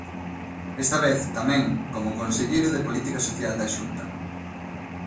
Esta vez, tamén, como Conselleiro de Política Social da Xunta.